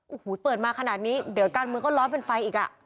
โอ้โหเปิดมาขนาดนี้เดี๋ยวการเมืองก็ล้อมเป็นไฟอีกอ่ะ